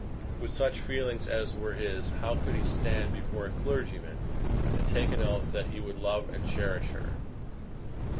With such feelings as were his, how could he stand before a clergyman and take an oath that he would love her and cherish her?